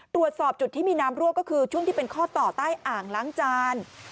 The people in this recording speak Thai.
ตรวจสอบจุดที่มีน้ำรั่วก็คือช่วงที่เป็นข้อต่อใต้อ่างล้างจาน